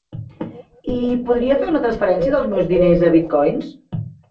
I podria fer una transferència dels meus diners a bitcoins?